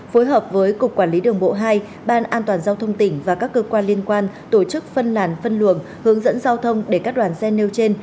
phối hợp với cục quản lý đường bộ hai ban an toàn giao thông tỉnh và các cơ quan liên quan tổ chức phân làn phân luồng hướng dẫn giao thông để các đoàn xe nêu trên